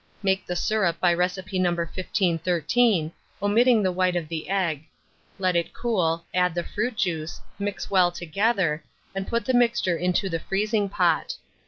Make the syrup by recipe No. 1513, omitting the white of the egg; let it cool, add the fruit juice, mix well together, and put the mixture into the freezing pot.